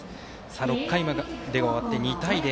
６回まで終わって、２対０。